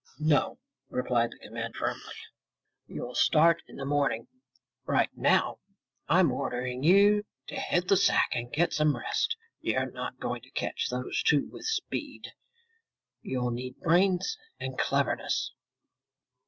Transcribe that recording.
"No!" replied the commander firmly. "You'll start in the morning. Right now, I'm ordering you to hit the sack and get some rest. You're not going to catch those two with speed. You'll need brains and cleverness."